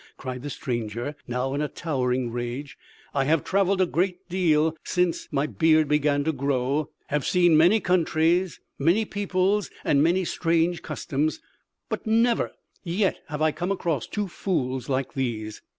cried the stranger, now in towering rage. "I have traveled a deal since my beard began to grow, have seen many countries, many peoples and many strange customs, but never yet have I come across two fools like these!"